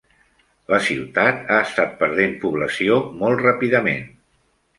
La ciutat ha estat perdent població molt ràpidament.